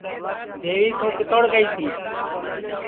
دیوی تُوں کِتوڑ گئوڑی تی